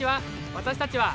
私たちは。